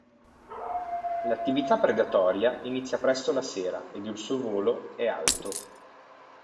L'attività predatoria inizia presto la sera ed il suo volo è alto.